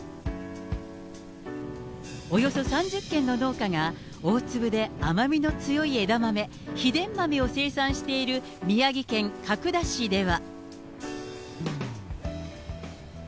およそ３０件の農家が、大粒で甘みの強い枝豆、秘伝豆を生産している宮城県角田市では。